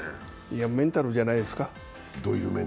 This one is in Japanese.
メンタルじゃないですか。